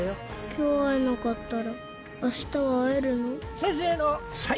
今日会えなかったら明日は会えるの？